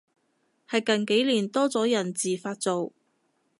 係近幾年多咗人自發做